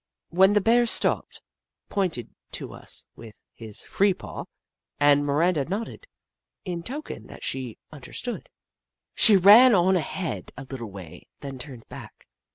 Then the Bear stopped, pointed to us with his free paw, and Miranda nodded, in token that she understood. She ran on ahead a little way, then turned back.